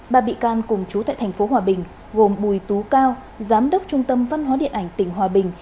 ba bị can cùng chú tại tp hòa bình gồm bùi tú cao giám đốc trung tâm văn hóa điện ảnh tỉnh hòa bình